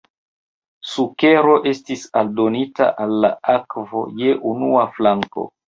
Sukero estis aldonita al la akvo je unu flanko.